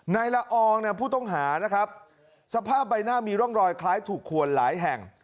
ในละอองผู้ต้องหาสภาพใบหน้ามีร่องรอยคล้ายถูกควรหลายแห่ง